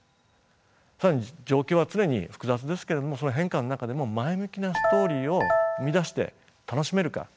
更に状況は常に複雑ですけれどもその変化の中でも前向きなストーリーを生み出して楽しめるか。